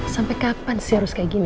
sampai kapan sih harus kayak gini